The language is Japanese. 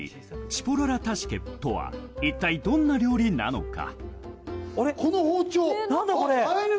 チポロラタシケプとは一体どんな料理なのか？